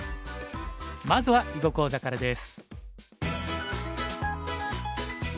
まずは囲碁講座からです。